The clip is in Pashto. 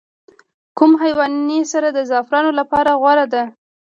کوم حیواني سره د زعفرانو لپاره غوره ده؟